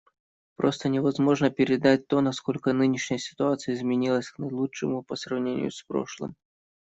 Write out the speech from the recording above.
Просто невозможно передать то, насколько нынешняя ситуация изменилась к лучшему, по сравнению с прошлым.